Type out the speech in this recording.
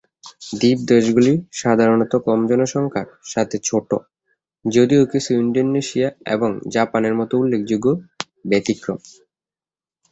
দ্বীপ দেশগুলি সাধারণত কম জনসংখ্যার সাথে ছোট, যদিও কিছু ইন্দোনেশিয়া এবং জাপানের মতো উল্লেখযোগ্য ব্যতিক্রম।